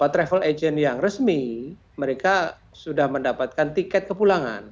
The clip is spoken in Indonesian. travel agent yang resmi mereka sudah mendapatkan tiket kepulangan